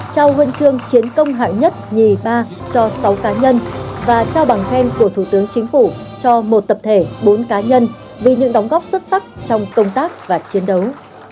trao huân chương chiến công hạng nhất nhì ba cho sáu cá nhân và trao bằng khen của thủ tướng chính phủ cho một tập thể bốn cá nhân vì những đóng góp xuất sắc trong công tác và chiến đấu